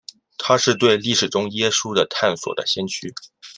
他是对历史中耶稣的探索的先驱。